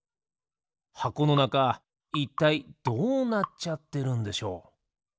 はこのなかいったいどうなっちゃってるんでしょう？